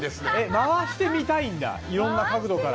回して見たいんだ色んな角度から。